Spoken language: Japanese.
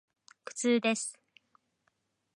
苦痛です。